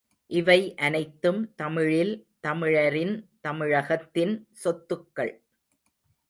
இவை அனைத்தும் தமிழில், தமிழரின், தமிழகத்தின் சொத்துக்கள்.